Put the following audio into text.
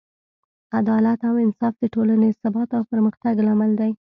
عدالت او انصاف د ټولنې د ثبات او پرمختګ لامل دی.